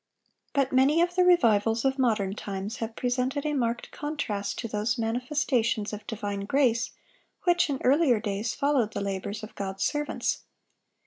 But many of the revivals of modern times have presented a marked contrast to those manifestations of divine grace which in earlier days followed the labors of God's servants.